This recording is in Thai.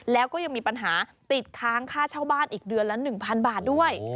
แล้วก็ยังมีปัญหาติดค้างค่าเช่าบ้านอีกเดือนละ๑๐๐๐บาทด้วย